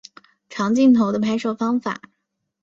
长镜头的拍摄方法。